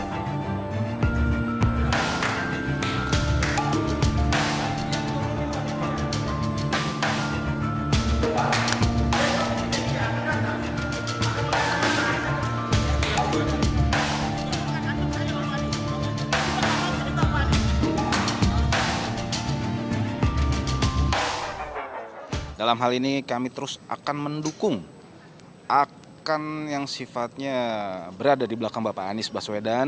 hai dalam hal ini kami terus akan mendukung akan yang sifatnya berada di belakang bapak anies baswedan